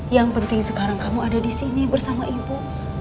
yang penting sekarang kamu ada di sini bersama ibu